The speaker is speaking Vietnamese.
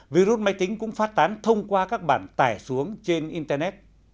virus máy tính cũng phát tán thông qua các bản tải xuống trên internet